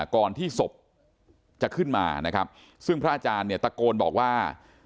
ก่อนที่ศพจะขึ้นมานะครับซึ่งพระอาจารย์เนี่ยตะโกนบอกว่า